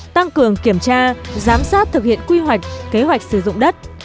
tăng cường kiểm tra giám sát thực hiện quy hoạch kế hoạch sử dụng đất